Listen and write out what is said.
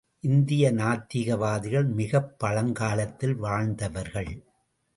இந்திய நாத்திக வாதிகள் மிகப் பழங்காலத்தில் வாழ்ந்தவர்கள்.